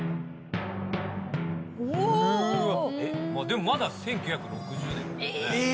でもまだ１９６０年。